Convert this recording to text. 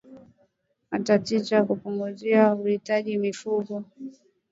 Matatizo ya upumuaji huathiri mifugo